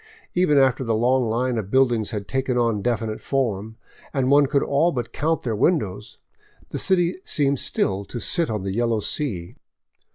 Even after the long Hne of buildings had taken on definite form, and one could all but count their windows, the city seemed still to sit on the yellow sea.